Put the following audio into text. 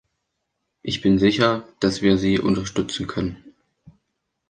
Ich bin sicher, dass wir Sie unterstützen können.